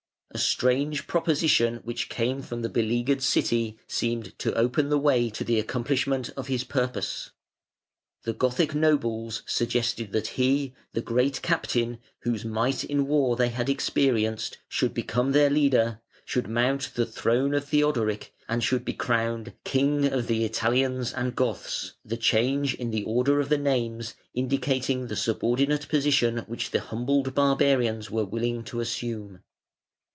A strange proposition which came from the beleaguered city seemed to open the way to the accomplishment of his purpose. The Gothic nobles suggested that he, the great Captain, whose might in war they had experienced, should become their leader, should mount the throne of Theodoric, and should be crowned "King of the Italians and Goths", the change in the order of the names indicating the subordinate position which the humbled barbarians were willing to assume.